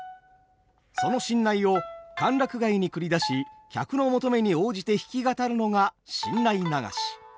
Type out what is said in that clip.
その新内を歓楽街に繰り出し客の求めに応じて弾き語るのが新内流し。